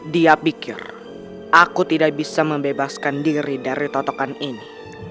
dia pikir aku tidak bisa membebaskan diri dari totokan ini